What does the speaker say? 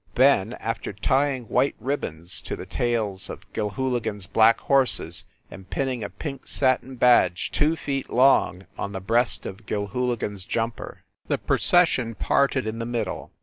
Then, after tying white ribbons to the tails of Gil hooligan s black horses, and pinning a pink satin badge two feet long on the breast of Gilhooligan s jumper, the procession parted in the middle.